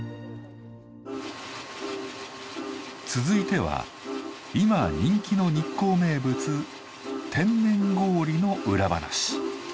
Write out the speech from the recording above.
続いては今人気の日光名物天然氷の裏話。